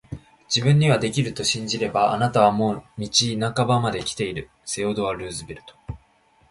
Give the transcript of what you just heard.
自分にはできると信じれば、あなたはもう道半ばまで来ている～セオドア・ルーズベルト～